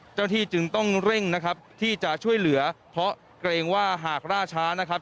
เจ้าหน้าที่จึงต้องเร่งนะครับที่จะช่วยเหลือเพราะเกรงว่าหากล่าช้านะครับ